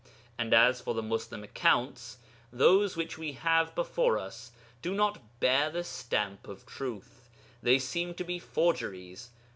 And as for the Muslim accounts, those which we have before us do not bear the stamp of truth: they seem to be forgeries.